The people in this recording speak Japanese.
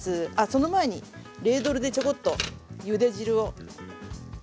その前にレードルでちょこっとゆで汁を。